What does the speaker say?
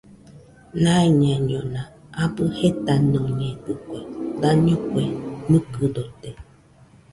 Naiñaiñona abɨ jetanoñedɨkue, daño kue nɨkɨdote